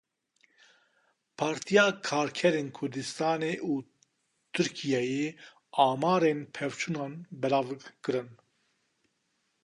Partiya Karkerên Kurdistanê û Tirkiyeyê amarên pevçûnan belav kirin.